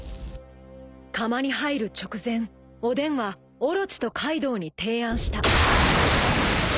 ［釜に入る直前おでんはオロチとカイドウに提案した］